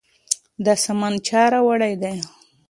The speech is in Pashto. دا سامان چا راوړی دی؟